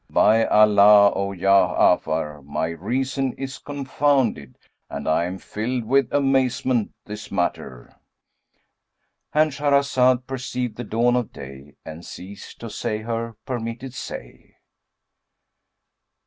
By Allah, O Ja'afar, my reason is confounded and I am filled with amazement this matter!"—And Shahrazad perceived the dawn of day and ceased to say her permitted say.